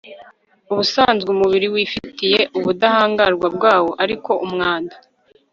ubusanzwe umubiri wifitiye ubudahangarwa bwawo ariko umwanda